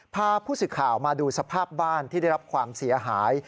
พาผู้สื่อข่าวมาดูสภาพบ้านที่ได้รับความเสียหาย